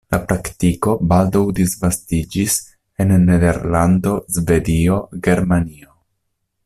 La praktiko baldaŭ disvastiĝis en Nederlando, Svedio, Germanio.